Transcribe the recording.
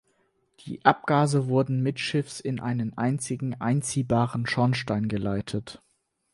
Die Abgase wurden mittschiffs in einen einzigen einziehbaren Schornstein geleitet.